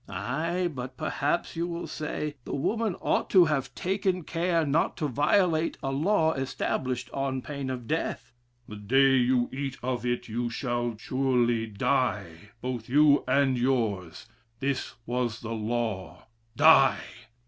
Aye, but perhaps (you will say) the woman ought to have taken care not to violate a law established on pain of death. 'The day you eat of it you shall surely die,', both you and yours; this was the law. Die!